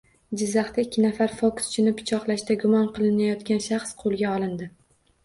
Jizzaxda ikki nafar fokuschini pichoqlashda gumon qilinayotgan shaxs qo‘lga olindi